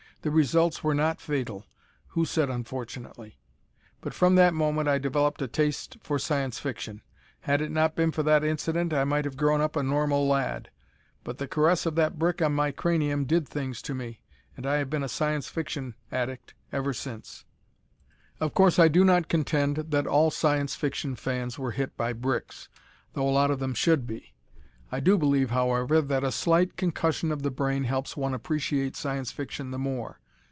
The results were not fatal who said "unfortunately?" but from that moment I developed a taste for Science Fiction. Had it not been for that incident I might have grown up a normal lad; but the caress of that brick on my cranium did things to me, and I have been a Science Fiction addict since. Of course, I do not contend that all Science Fiction fans were hit by bricks, though a lot of them should be. I do believe, however, that a slight concussion of the brain helps one appreciate Science Fiction the more.